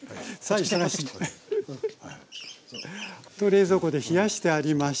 冷蔵庫で冷やしてありました。